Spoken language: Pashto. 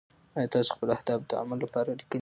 ایا تاسو خپل اهداف د عمل لپاره لیکلي؟